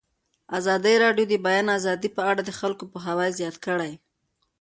ازادي راډیو د د بیان آزادي په اړه د خلکو پوهاوی زیات کړی.